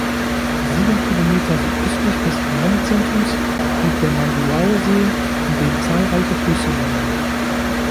Sieben Kilometer südöstlich des Gemeindezentrums liegt der Manguao-See, in dem zahlreiche Flüsse münden.